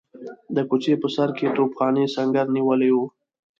د کوڅې په سر کې توپخانې سنګر نیولی وو.